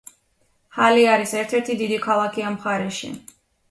ჰალე არის ერთ-ერთი დიდი ქალაქი ამ მხარეში.